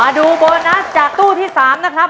ดูโบนัสจากตู้ที่๓นะครับ